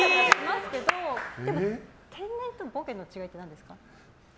でも、天然とボケの違いって何ですか？